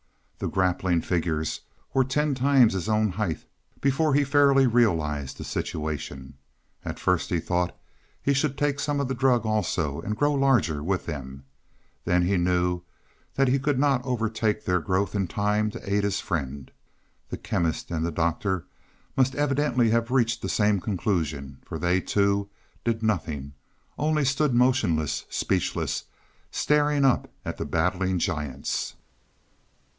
The grappling figures were ten times his own height before he fairly realized the situation. At first he thought he should take some of the drug also, and grow larger with them. Then he knew that he could not overtake their growth in time to aid his friend. The Chemist and the Doctor must evidently have reached the same conclusion, for they, too, did nothing, only stood motionless, speechless, staring up at the battling giants.